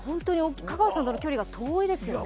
香川さんとの距離が遠いですよね。